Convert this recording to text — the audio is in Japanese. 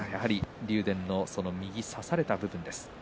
竜電の右を差された部分です。